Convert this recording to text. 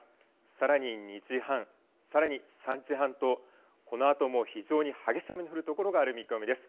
さらに２時半、さらに３時半とこのあとも非常に激しい雨の降る所がある見込みです。